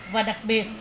và đặc biệt